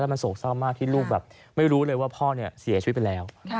มันโศกเศร้ามากที่ลูกแบบไม่รู้เลยว่าพ่อเสียชีวิตไปแล้ว